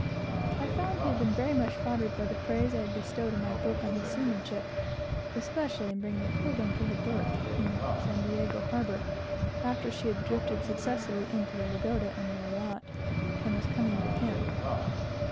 I found he had been very much flattered by the praise I had bestowed in my book on his seamanship, especially in bringing the Pilgrim to her berth in San Diego harbor, after she had drifted successively into the Lagoda and Loriotte, and was coming into him.